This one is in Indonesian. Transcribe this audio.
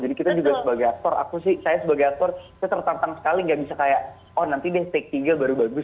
jadi kita juga sebagai aktor aku sih saya sebagai aktor saya tertentang sekali gak bisa kayak oh nanti deh take tiga baru bagus